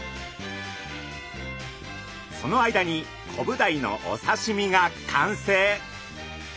その間にコブダイのお刺身が完成。